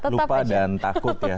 lupa dan takut ya